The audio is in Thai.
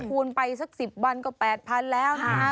คูณไปสัก๑๐วันกว่า๘๐๐๐บาทแล้วนะ